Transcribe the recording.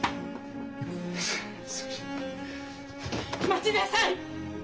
待ちなさい！